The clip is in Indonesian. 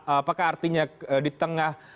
apakah artinya di tengah